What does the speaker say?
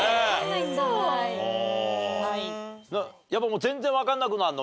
やっぱ全然わかんなくなるの？